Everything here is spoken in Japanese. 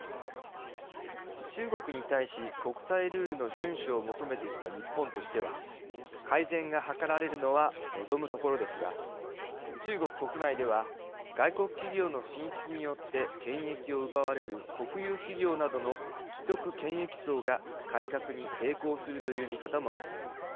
中国に対し、国際ルールの順守を求めてきた日本としては改善が図られるのは望むところですが中国国内では外国企業の進出によって権益を奪われる国有企業などの既得権益層が改革に抵抗するという見方もあります。